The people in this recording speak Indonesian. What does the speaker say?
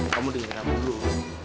kamu dengerin apa dulu